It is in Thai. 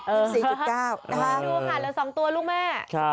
ดูค่ะแล้ว๒ตัวลูกแม่